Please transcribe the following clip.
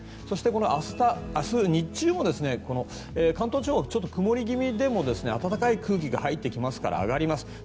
そして明日の日中も関東地方はちょっと曇り気味でも暖かい空気が入ってきますから上がります。